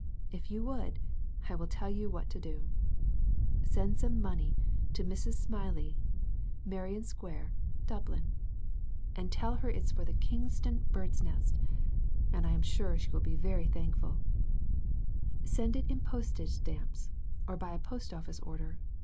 If you would, I will tell you what to do. Send some money to "Mrs. Smylie, Merrion Square^ DuJilixs." ^s^ 92 SERMONS FOR CHILDREN. tell her it is for the Kingstown " Bird's Nest," and I am sure she will be very thankful Send it in postage stamps, or by a post office order.